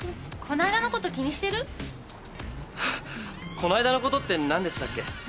この間のことって何でしたっけ？